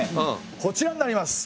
こちらになります。